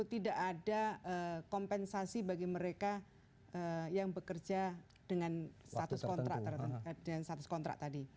tidak ada kompensasi bagi mereka yang bekerja dengan status kontrak tadi